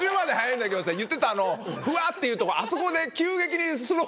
言ってたあのふわっていうとこあそこで。